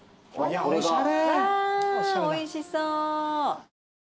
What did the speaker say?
わおいしそう。